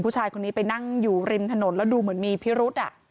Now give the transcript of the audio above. ผู้ชายคนนี้ไปนั่งอยู่ริมถนนแล้วดูเหมือนมีพิรุษ